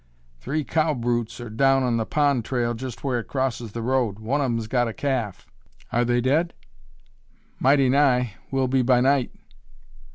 "Three cow brutes are down on the pond trail, just where it crosses the road. One of 'em's got a calf." "Are they dead?" "Mighty nigh will be by night."